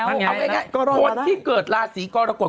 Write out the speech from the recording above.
เอาง่ายคนที่เกิดราศีกรกฎ